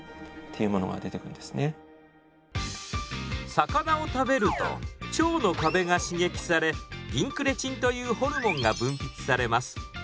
魚を食べると腸の壁が刺激されインクレチンというホルモンが分泌されます。